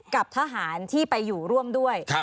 กับทหารที่ไปอยู่ร่วมด้วย